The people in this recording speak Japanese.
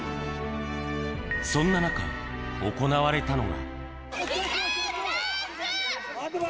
そんな中、行われたのが。